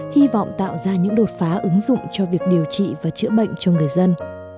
hy vọng tạo ra những đột phá ứng dụng cho việc điều trị và chữa bệnh cho người dân